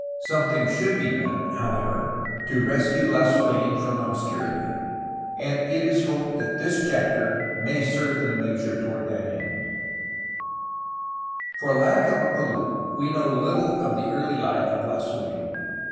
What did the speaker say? Something should be done, however, to rescue Lasu^n from obscurity, and it is hoped that this chapter may serve in a measure toward that end. 364 FERMIN FRANCISCO DE LASUfiN 365 For lack of a Palou we know little of the early life of Lasu^n.